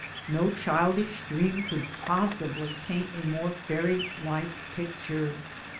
No childish dream could possibly paint a more fairy like picture.